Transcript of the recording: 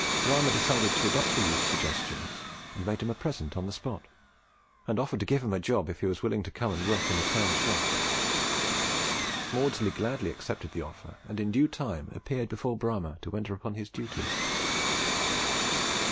Bramah decided to adopt the youth's suggestions, made him a present on the spot, and offered to give him a job if he was willing to come and work in a town shop. Maudslay gladly accepted the offer, and in due time appeared before Bramah to enter upon his duties.